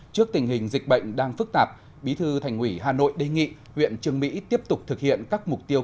trước tình hình dịch bệnh đang phức tạp bí thư thành ủy hà nội đề nghị huyện trương mỹ tiếp tục thực hiện các mục tiêu